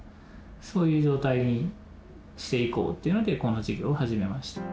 そういう状態にしていこうっていうのでこの事業を始めました。